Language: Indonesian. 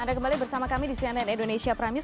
anda kembali bersama kami di cnn indonesia prime news